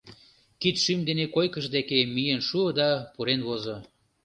Кидшӱм дене койкыж деке миен шуо да пурен возо.